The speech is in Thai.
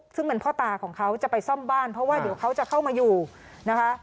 ซึ่งเป็นพ่อตาของเขาจะไปซ่อมบ้านเพราะว่าเดี๋ยวเขาจะเข้ามาอยู่นะคะ